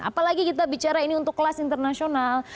apalagi kita bicara ini untuk kelas internasional